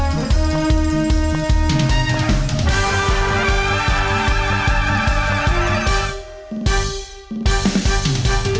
โปรดติดตามตอนต่อไป